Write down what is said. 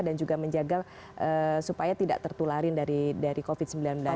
dan juga menjaga supaya tidak tertularin dari covid sembilan belas